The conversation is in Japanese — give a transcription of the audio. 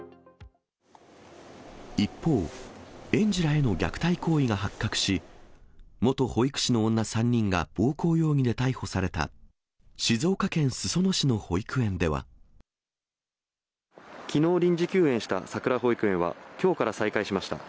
一方、園児らへの虐待行為が発覚し、元保育士の女３人が暴行容疑で逮捕された、静岡県裾野市の保育園きのう、臨時休園したさくら保育園は、きょうから再開しました。